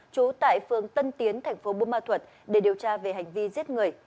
chú tại phương tân tiến thành phố bú ma thuật để điều tra về hành vi giết người